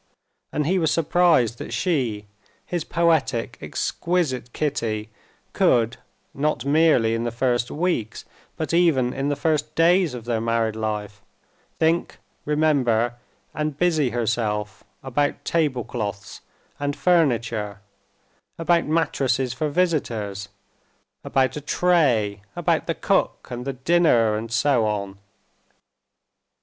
And he was surprised that she, his poetic, exquisite Kitty, could, not merely in the first weeks, but even in the first days of their married life, think, remember, and busy herself about tablecloths, and furniture, about mattresses for visitors, about a tray, about the cook, and the dinner, and so on.